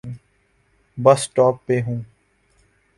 بس سٹاپ پہ ہوں۔